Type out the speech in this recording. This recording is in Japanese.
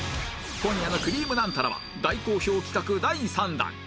今夜の『くりぃむナンタラ』は大好評企画第３弾